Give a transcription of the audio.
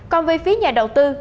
còn về phía nhà đầu tư